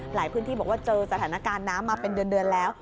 พื้นที่บอกว่าเจอสถานการณ์น้ำมาเป็นเดือนแล้ว